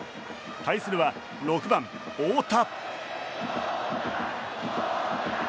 対するは６番、大田。